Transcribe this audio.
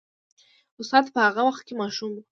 استاد په هغه وخت کې ماشوم و.